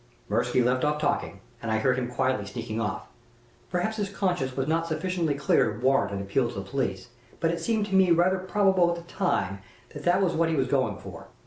"Mirsky left off talking, and I heard him quietly sneaking off. Perhaps his conscience was not sufficiently clear to warrant an appeal to the police, but it seemed to me rather probable at the time that that was what he was going for.